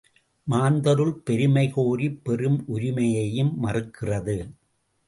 மாந்தருள் பெருமை கோரிப் பெறும் உரிமையையும் மறுக்கிறது.